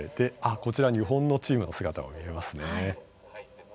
日本のチームの姿も見えますね。